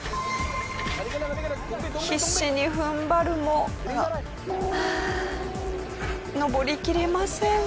必死に踏ん張るも登りきれません。